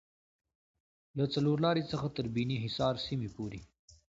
له څلورلارې څخه تر بیني حصار سیمې پورې